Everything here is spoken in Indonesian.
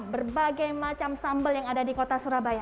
berbagai macam sambal yang ada di kota surabaya